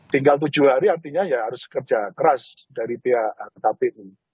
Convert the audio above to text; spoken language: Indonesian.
tinggal tujuh hari artinya ya harus kerja keras dari pihak kpu